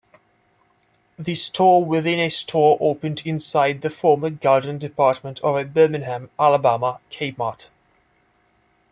The store-within-a-store opened inside the former garden department of a Birmingham, Alabama, Kmart.